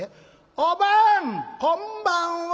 おばんこんばんは！」。